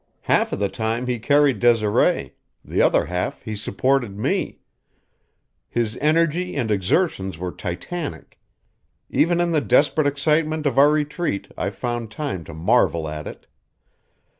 Half of the time he carried Desiree; the other half he supported me. His energy and exertions were titanic; even in the desperate excitement of our retreat I found time to marvel at it.